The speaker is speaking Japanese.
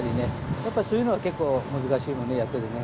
やっぱそういうのは結構難しいねやっててね。